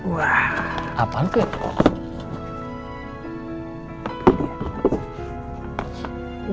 wah apaan tuh itu